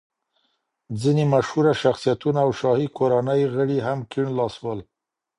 ځینې مشهوره شخصیتونه او شاهي کورنۍ غړي هم کیڼ لاسي ول.